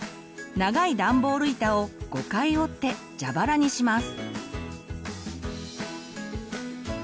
長いダンボール板を５回折ってジャバラにします。